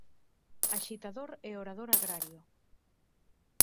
Axitador e orador agrario.